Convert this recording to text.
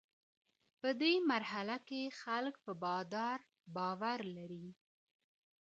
په دې مرحله کي خلګ په بادار باور لري.